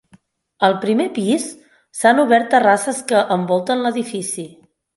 Al primer pis s'han obert terrasses que envolten l'edifici.